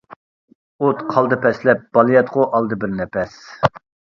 ئوت قالدى پەسلەپ بالىياتقۇ ئالدى بىر نەپەس.